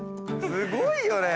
すごいよね。